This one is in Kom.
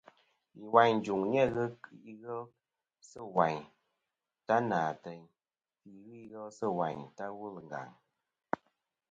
Lìwàyn ɨ jùŋ nɨ̀n ghɨ kɨ ighel sɨ̂ wàyn ta nà àteyn, fî ghɨ ighel sɨ̂ wayn ta wul ɨ ngàŋ.